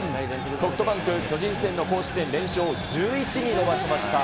ソフトバンク、巨人戦の公式戦連勝を１１に伸ばしました。